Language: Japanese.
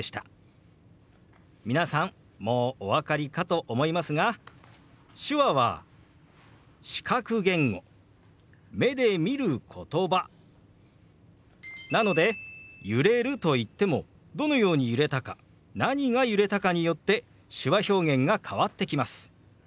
皆さんもうお分かりかと思いますが手話は視覚言語目で見る言葉なので揺れると言ってもどのように揺れたか何が揺れたかによって手話表現が変わってきます。